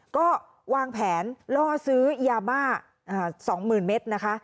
ก็วางแผนล่อซื้อยาบ้า๒๐๐๐เมตรนะคะ